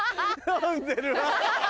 飲んでる。